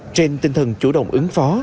trên tinh thần chủ động ứng phó